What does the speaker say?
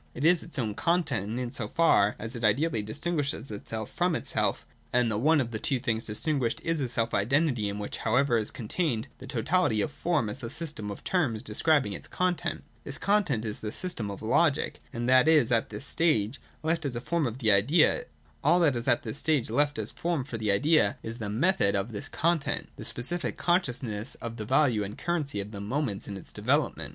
It is its own content, in so far as it ideally distinguishes itself from itself, and the one of the two things distinguished is a self identity in which however is contained the totality of the form as the system of terms describing its content. This content is the system of Logic. All that is at this stage left as form for the idea is the Method of this content, the specific consciousness of the value and currency of the ' moments ' in its development.